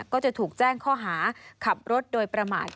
ก็จะถูกแจ้งข้อหาขับรถโดยประมาท